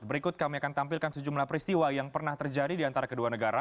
berikut kami akan tampilkan sejumlah peristiwa yang pernah terjadi di antara kedua negara